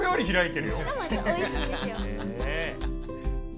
おいしいんですよ。